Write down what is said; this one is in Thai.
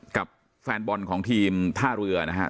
กับแฟนบอลของทีมท่าเรือนะครับ